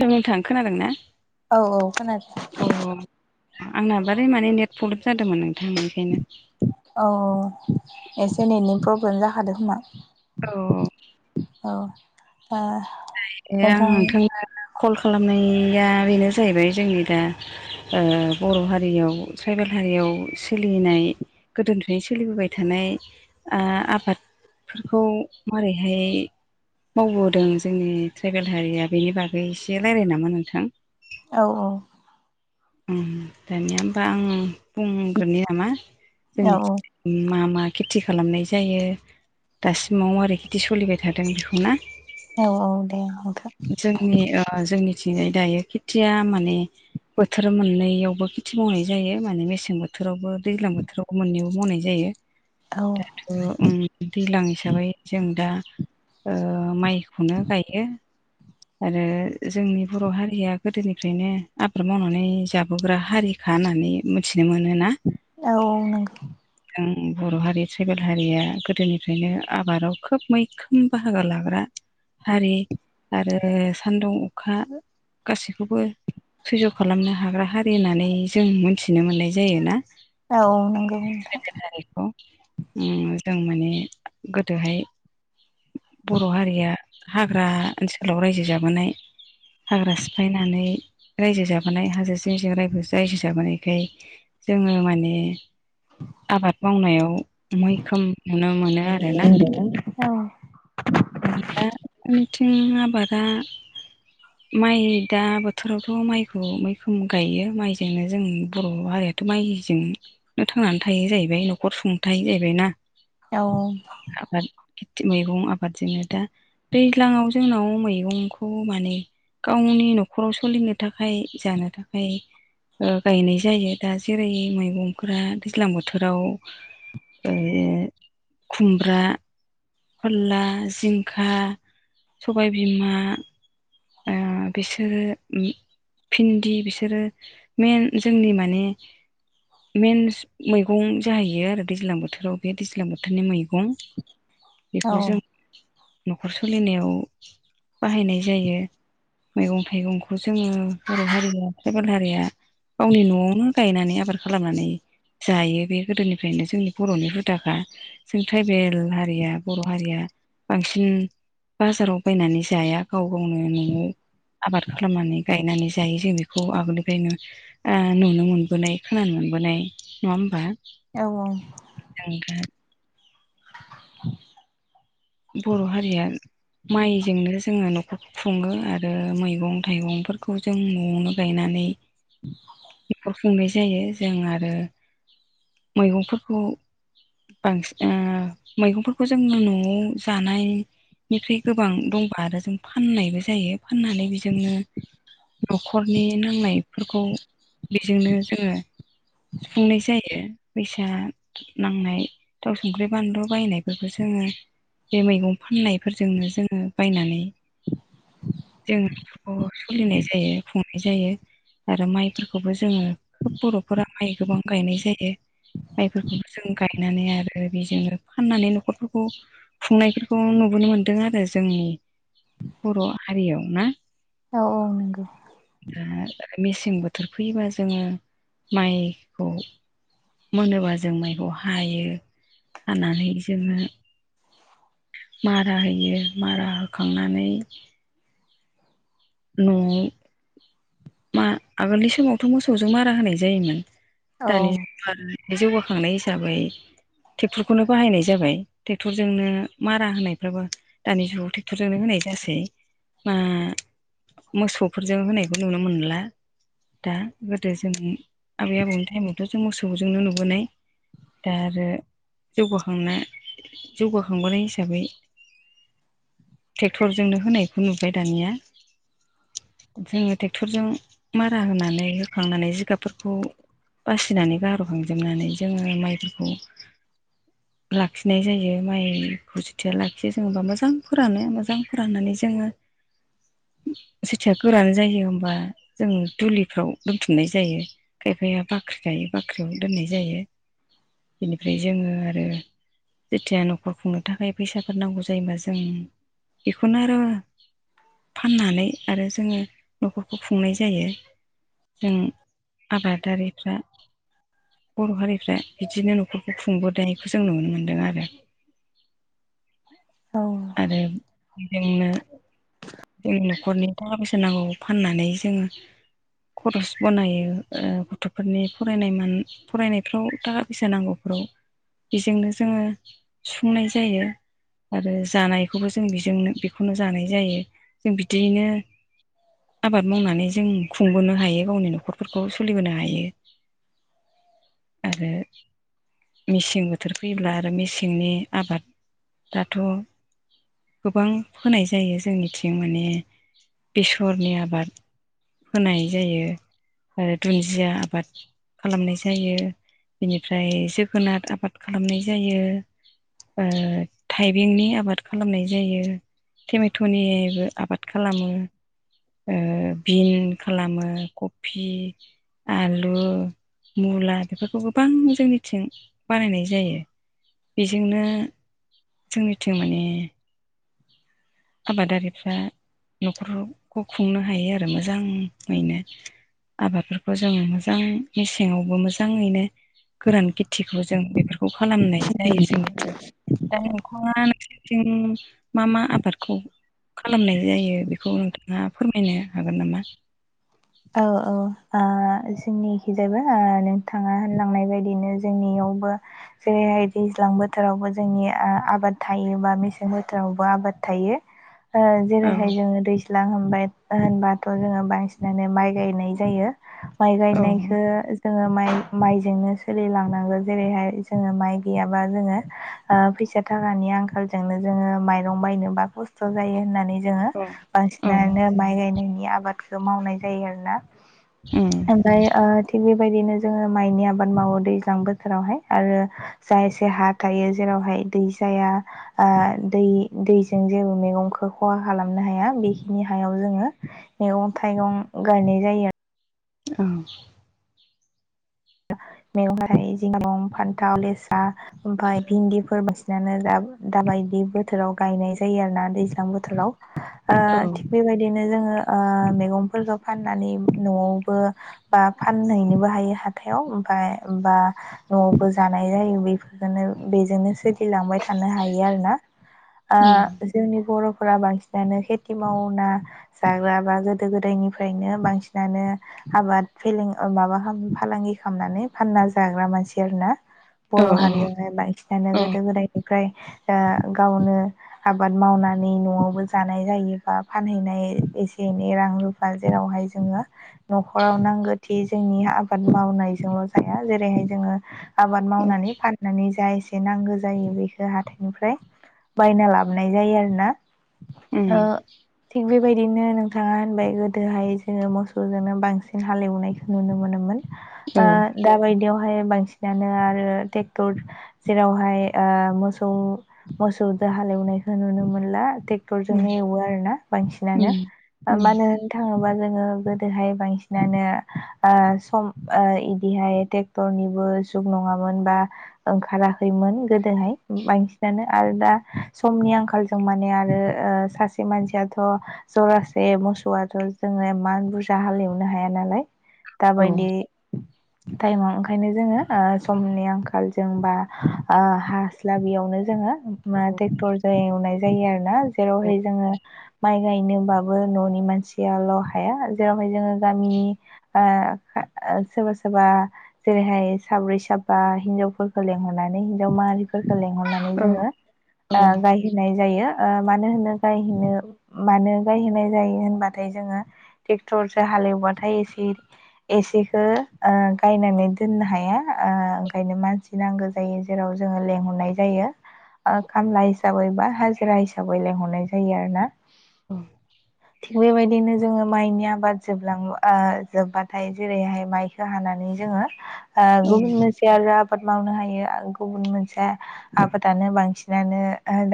नोंथां खोनादों ना? औ खोनादों अ आंना बारै माने नेट प्रब्लेम जादोंमोन नोंथां इखायनो। औ औ एसे नेटनि प्रब्लेम जाखादो खोमा। औ औ आ आं नोंथां कल खालामनाया बेनो जाहैबाय जोंनि दा बर' हारियाव ट्राइबेल हारियाव सोलिनाय गोदोनिफ्रायनो सोलिबोबाय थानाय आ‌ आबाद फोरखौ मारैहाय मावबोदों जोंनि ट्राइबेल हारिया बेनि बागै एसे रायलायनो नामा नोंथां? औ औ उम दानिया होमबा आं बुंग्रोनि नामा औ जोंनिथिं जाय मा मा खेथि खालामनाय जायो दासिमाव मारै खेथि सोलिबाय थादों बेखौना। औ औ दे नोंथां। जोंनि जोंनिथिंजाय दायो खेथिया माने बोथोर मोननैयावबो खेथि मावनाय जायो। माने मेसें बोथोरावबो दैज्लां बोथोरावबो मोननैयावबो मावनाय जायो। [inaudible] औ अ' ओम दैज्लां हिसाबै जों दा ओ माइखौनो गायो आरो जोंनि बर' हारिया गोदोनिफ्रायनो आबाद मावनानै जाबोग्रा हारि खा होननानै मिथिनो मोनोना। औ नंगौ। ओम बर' हारि ट्राइबेल हारिया गोदोनिफ्रायनो आबादाव खोब मैखो म बाहागो लाग्रा हारि आरो सान्दुं अखा गासैखौबो सैज' खालामनो हाग्रा हारि होननानै जों मोनथिनो मोननाय जायोना। औ औ नंगौ बे नोंथां ट्रइबेल ओ जों माने गोदोहाय बर' हारिया हाग्रा ओनसोलाव रायजो जाबोनाय। हाग्रा सिफायनानै रायजो जाबोनाय हाजो जिं जिं रायजो जाबोनायखाय जोङो माने आबाद मावनायाव मैखोम नुनो मोनो आरो ना। औ दा बिथिं आबादा माइ दा बोथोरावथ' माइखौ मैखोम गायो माइजोंनो जों बर' हारिया दाथ' माइजोंनो थांनानै थायो जाहैबाय न'खर सुं थायो जाहैबायना। औ आबाद खिथि मैगं आबादजोंनो दा दैज्लाङाव जोंनाव मैगंखौ माने गावनि न'खराव सोलिनो थाखाय जानो थाखाय ओ गायनाय जायो दा जेरै मैगंफोरा दैज्लां बोथोराव ओ खुमब्रा फोरला, जिंखा, सबायबिमा ओ बिसोरो उ भिन्दि बिसोरो मेन जोंनि माने मेन मैगं जाहैयो आरो दैज्लां बोथोराव बे दैज्लां बोथोरनि मैगं। बेखौ औ जों न'खर सोलिनायाव बाहायनाय जायो। मैगं थाइगंखौ जोङो बर' हारिया ट्राइबेल हारिया गावनि न'आवनो गायनानै आबाद खालामनानै जायो बे गोदोनिफ्रायनो जोंनि बर'नि हुदाखा। जों ट्राइबेल हारिया बर' हारिया बांसिन बाजाराव बायनानै जाया गाव गावनो न' आव आबाद खालामनानै गायनानै जायो जों बेखौ आगोलनिफ्रायनो आ ‌नुनो मोनबोनाय खोनानो मोनबोनाय नङा होमबा? औ औ [unintelligible] बर' हारिया माइजोंनो जोङो न'खरखौ खुङो आरो मैगं थाइगंफोरखौ जों न'आवनो गायनानै नखर खुंनाय जायो जों आरो मैगंफोरखौ बांसिना मैगंफोरखौ जों न'आव जानाय निफ्राय गोबां दंबा आरो जों फाननायबो जायो फाननानै बेजोंनो न'खरनि नांनायफोरखौ बेजोंनो जोङो सुफुंनाय जायो। फैसा नांनाय थाव संख्रि बानलु बायनायफोरखौ जोङो बे मैगं फाननायफोरजोंनो जोङो बायनानै जोङो [unintelligible] सोलिनाय जायो खुंनाय जायो। आरो माइफोरखौबो जोङो खोब बर'फोरा माइ गोबां गायनाय जायो। माइफोरखौबो जों गायनानै आरो बेजोंनो फाननानै न'खरफोरखौ खुंनायफोरखौ नुबोनो मोनदों आरो जोंनि बर' हारियाव ना। नंगौ औ औ आ मे सें बोथोर फैयोबा जोङो माइखौ मोनोबा जों माइखौ हायो हानानै जोङो मारा होयो मारा होखांनानै न'आव मा आगोलनि समावथ' मोसौजों मारा होनाय जायोमोन। ओ दानि [unintelligible] जौगाखांनाय हिसाबै ट्रेक्टरखौनो बाहायनाय जाबाय ट्रेक्टरजोंनो मारा होनायफ्राबो दानि जुगाव ट्रेक्टरजोंनो होनाय जासै मा मोसौफोरजों होनायखौ नुनो मोनला। दा गोदो जों आबै आबौनि टाइमावथ' जों मोसौजोंनो नुबोनाय। दा आरो जौगाखांना जौगाखांबोनाय हिसाबै ट्रेक्टरजोंनो होनायखौ नुबाय दानिया जोङो ट्रेक्टरजों मारा होनानै होखांनानै जिगाबफोरखौ बासिनानै गार'खांजोबनानै जोङो माइफोरखौ लाखिनाय जायो माइखौ जुथिया लाखियो जेनबा मोजां फोरानो मोजां फोराननानै जोङो जेथिया गोरान जायो होमबा जों दुलिफ्राव दोनथुमनाय जायो। खायफाया बाख्रि दायो बाख्रियाव दोननाय जायो बेनिफ्राय जोङो आरो जेथिया न'खर खुंनो थाखाय फैसाफोर नांगौ जायोबा जों बेखौनो आरो फाननानै आरो जोंङो न'खरखौ खुंनाय जायो। जों आबादारिफ्रा। बर' हारिफ्रा बिदिनो न'खरखौ खुंबोनायखौ जों नुनो मोन्दों आरो। आरो बेजोंनो जों न'खरनि थाखा फैसा नांगौ फाननानै जोंङो खरस बनायो ओ गथ'फोरनि फरायनाय मानि फरायनायफ्राव थाखा फैसा नांगौफोराव बेजोंनो जोंङो सुफुंनाय जायो। आरो जानायखौबो जों बेजोंनो बेखौनो जानाय जायो। जों बिदियैनो आबाद मावनानै जों खुंबोनो हायो गावनि न'खरफोरखौ सोलिबोनो हायो आरो मेसें बोथोर फैब्ला आरो मेसेंनि आबाद दाथ' गोबां फोनाय जायो जोंनिथिं माने बेसरनि आबाद होनाय जायो आरो दुन्दिया आबाद खालामनाय जायो, बेनिफ्राय जोगोनार आबाद खालामनाय जायो। आ थाइबेंनि आबाद खालामनाय जायो। टमेट'निबो आबाद खालामो। ओ बिन खालामो कफि आलु मुला बेफोरखौ गोबां जोंनिथिं बानायनाय जायो बेजोंनो जोंनिथिं माने आबादारिफ्रा न'खरखौ खुंनो हायो आरो मोजांङैनो। आबादफोरखौ जों मोजां मेसेंङावबो मोजांङैनो गोरान खेथिखौ जों बे बेफोरखौ खालामनाय जायो जोंनिखिजायबो जोंनिथिं [unintelligible] मा मा आबाद खौ खालामनाय जायो बेखौ नोंथांङा फोरमायनो हागोन नामा? औ औ आ जोंनि एखि जायबो ओ नोंथांङा होनलांनाय बायदिनो जोंनियावबो जेरैहाय दैज्लां बोथोरावबो जोंनि ओ आबाद थायो बा मेसें बोथोरावबो आबाद थायो। ओ जेरैहाय जोंङो दैज्लां होनबाय होनबाथ' जोंङो बांसिनानो माइ गायनाय जायो। माइ औ गायनायखो जोंङो माइ माइजोंनो सोलिलांनांगौ जेरैहाय जोंङो माइ गैयाबा जोंङो ओ फैसा थाखानि आंखालजोंनो जोंङो माइरं बायनोबा खस्थ' जायो होननानै जोंङो अ औ बांसिनानो माइ गायनायनि आबादखौ मावनाय जायो आरोना। उम ओमफ्राय ओ थिग बेबायदिनो जोंङो माइनि आबाद मावो दैज्लां बोथोरावहाय आरो जा एसे हा थायो जेरावहाय दै जाया ओ दै दैजों जेबो मैगंखौ खहा खालामनो हाया बेखिनि हायाव जोंङो मैगं थाइगं गायनाय जायो आरो। औ। मैगं थायो जिंखा फान्थाव लेसा ओमफ्राय भिन्दिफोर बांसिनानो दा दाबायदि बोथोराव गायनाय जायो आरो ना दैज्लां बोथो राव ओ औ उम बेबायदिनो जोंङो ओ मैगंफोरखौ फाननानै न'आवबो बा फानहैनोबो हायो हा हाथायाव ओमफ्राय बा न'आवबो जानाय जायो बेफोरजोंनो बेजोंनो सोर सोलिलांबाय थानो हायो आरोना। ओ जोंनि बर'फोरा बांसिनानो खेथि मावना जाग्रा बा गोदो गोदायनिफ्रायनो बांसिनानो आबाद फेलें माबा खालाम फालांगि खालामनानै फानना जाग्रा मानसि आरोना औ बर' हारियाव। बायसिनानो औ गोदो गोदायनिफ्राय ओ गावनो आबाद मावनानै न'आवबो जानाय जायोबा फानहैनाय एसे एनै रां बा जेरावहाय जोंङो न'खराव नांगौथि जोंनि आबाद मावनायजोंल' जाया जेरैहाय जोंङो आबाद उम मावनानै फाननानै जा एसे नांगौ जायो बेखौ हाथाइनिफ्राय बायना औ लाबोनाय जायो आरोना। उम ओ थिग बेबायदिनो नोंथाङा होनबाय गोदोहाय जोंङो मोसौजोंनो बांसिन हालेवनायखौ नुनो मोन ओ उम दा बायदियावहाय बांसिन नानो आरो ट्रेक्टर जेरावहाय ओ मोसौ मोसौ दो हालेवनायखौ नुनो मोनला ट्रेक्टरजोंनो एवो आरो ना बांसिनानो उम मानो थाङोबा जोंङो गोदोहाय बांसिनानो ओ सम ओ इदिहाय ट्रेक्टरनिबो जुग नंङामोन बा ओंखाराखैमोन गोदोहाय बांसिनानो आरो दा समनि आंखाल जों माने आरो ओ सासे मानसियाथ' जरासे मोसौआथ' जोंङो एमान बुरजा हालेवनो हाया नालाय औ औ दाबायदि टाइमाव ओंखायनो जोंङो ओ समनि आंखालजों बा ओ हास्लाबियावनो जोंङो मा ट्रेक्टरजों एवनाय जायो आरो ना जेरावहाय औ जोंङो माइ गायनोबाबो न'नि मानसियाल' हाया जेरावहाय जोंङो गामिनि ओ सोरबा सोरबा जेरैहाय साब्रै साबा हिनजावफोरखौ लेंहरनानै हिनजाव माहारिफोरखौ लेंहरनानै नानै जोंङो ओ‌‌ जाय होननाय जायो ओ मानो होनो गायहनो मानो गायहैनाय जायो होनबाथाय जोंङो ट्रेक्टरजों हालेवबाथाय एसे एसे ओ ओ गायनानै दोननो हाया ओ ओंखायनो मानसि नांगौ जायो। जेराव जोंङो लेंहरनाय जायो। ओ खामला हिसाबै बा हाजिरा हिसाबै लेंंहरनाय जायो आरो ना। थिग बेबायदिनो जोंङो माइनि आबाद जोबलां ओ जोबबाथाय जेरैहाय माइखौ हानानै जोङों ओ गुबुन औ आरो आबाद मावनो हायो गुबुन मोनसे आबादानो बांसिनानो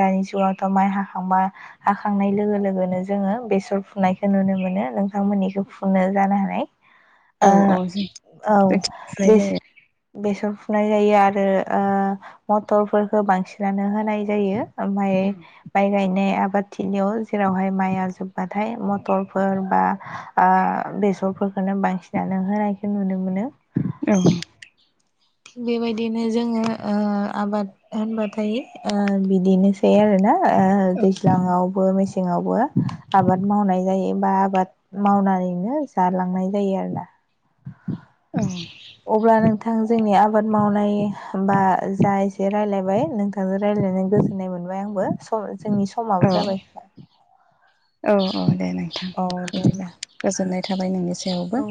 दानि जुगावथ' माइ हाखांबा हाखांनाय लोगो लोगोनो जोंङो बेसर फुनायखौ नुनो मोनो नोंथांमोननिखौ फुनो जानो हानाय। ओ औ औ। औ जोंथिं फुनाय बेस जायो। बेसर फुनाय जायो आरो ओ मटरफोरखौ बांसिनानो होनाय जायो ओमफाय औ बाइ गायनाय आबादथिलियाव जेरावहाय माइआ जोब्बाथाय मथरफोर बा ओ बेसरफोरखौनो बांसिनानो होनायखौ नुनो मोन औ। बेबायदिनो जोंङो ओ आबाद होनबाथाय ओ बिदिनोसै आरोना। ओ दैज्लांङावबो मेसेंङावबो आबाद मावनाय जायो बा आबाद मावनानैनो जालांनाय जायो आरोना। औ। अब्ला नोंथां जोंनि आबाद मावनाय बा जा एसे रायलायबाय नोंथांजों रायजलायनानै गोजोननाय मोनबाय आंबो। औ जोंनि समाबो जाबाय। औ औ दे नोंथां औ दे बिदिब्ला। गोजोननाय थाबाय नोंनि सायावबो। औ